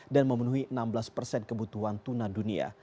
memenuhi enam belas persen kebutuhan tuna dunia